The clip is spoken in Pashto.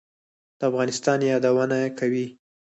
د افغانستان یادونه کوي.